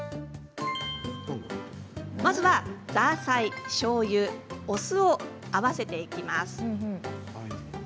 まずは、ザーサイしょうゆ、お酢を合わせます。